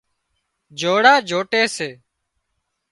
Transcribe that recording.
جوڙا جوٽي سي